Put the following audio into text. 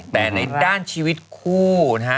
แต่ในด้านชีวิตคู่นะฮะ